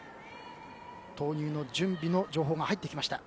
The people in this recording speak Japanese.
投入の準備の情報が入ってきました。